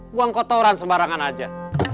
buang kotoran sembarangan aja